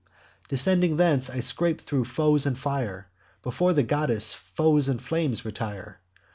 "Descending thence, I scape thro' foes and fire: Before the goddess, foes and flames retire.